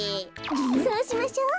そうしましょう。